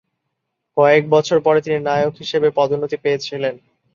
কয়েক বছর পরে তিনি নায়েক হিসেবে পদোন্নতি পেয়েছিলেন।